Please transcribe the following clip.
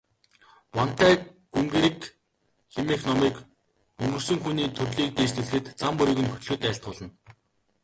Вантай гүнгэрэг хэмээх номыг өнгөрсөн хүний төрлийг дээшлүүлэхэд, зам мөрийг нь хөтлөхөд айлтгуулна.